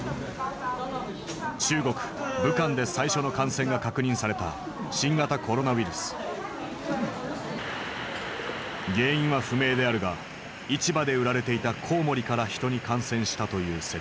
中国武漢で最初の感染が確認された原因は不明であるが市場で売られていたこうもりから人に感染したという説。